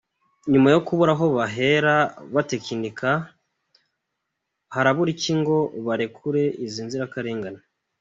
Nyuma yo kubura aho bahera batekinika harabura iki ngo barekure izi nzirakarengane?